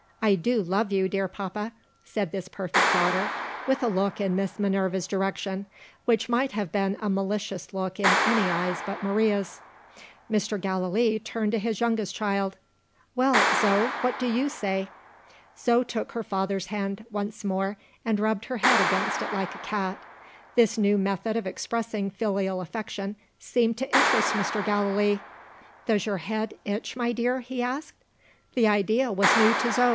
"I do love you, dear papa!" said this perfect daughter with a look in Miss Minerva's direction, which might have been a malicious look in any eyes but Maria's. Mr. Gallilee turned to his youngest child. "Well, Zo what do you say?" Zo took her father's hand once more, and rubbed her head against it like a cat. This new method of expressing filial affection seemed to interest Mr. Gallilee. "Does your head itch, my dear?" he asked. The idea was new to Zo.